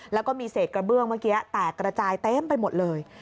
แล้วก็มีเศษกระเบื้องเมื่อกี้แตกกระจายเต็มไปหมดเลย